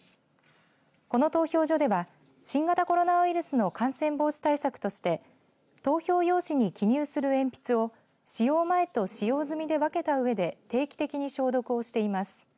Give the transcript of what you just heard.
この投票所では新型コロナウイルスの感染防止対策として投票用紙に記入する鉛筆を使用前と使用済みで分けたうえで定期的に消毒をしています。